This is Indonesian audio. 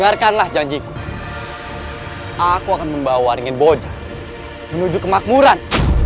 berikanlah janjiku aku akan membawa waringin boja menuju kemakmuran